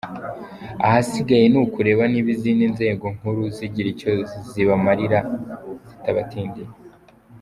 Ahasigaye ni ukureba niba izindi nzego nkuru zigira icyo zibamarira zitabatindiye.